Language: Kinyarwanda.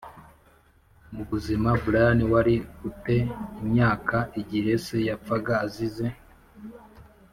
mu buzima Brian wari u te imyaka igihe se yapfaga azize